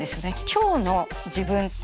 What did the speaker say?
今日の自分。